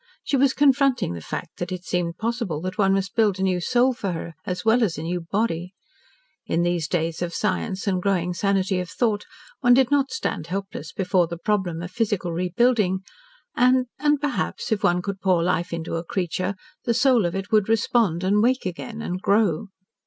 She was confronting the fact that it seemed possible that one must build a new soul for her as well as a new body. In these days of science and growing sanity of thought, one did not stand helpless before the problem of physical rebuilding, and and perhaps, if one could pour life into a creature, the soul of it would respond, and wake again, and grow.